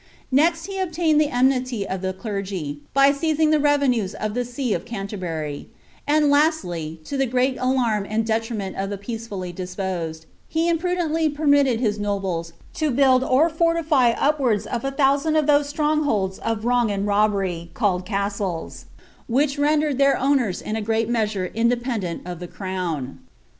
Next he obtained the enmity of the clergy, by seizing the rerennet of the see of Canterbur; ; and lastly, to the great nlaim and dctrinMHi of the peacefully disposed, he imprudently permitted his nobles to bniU or fortify upwards of a thousand of those strongholds of wrong oin] mt> bery called castles, which rendered tlieir uwocis in a grral mcwon mdependent of the crown.